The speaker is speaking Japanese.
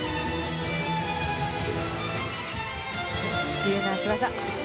自由な脚技。